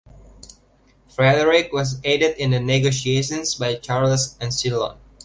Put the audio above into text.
Frederick was aided in the negotiations by Charles Ancillon.